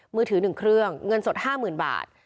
มือถือ๑เครื่องเงินสด๕๐๐๐บาท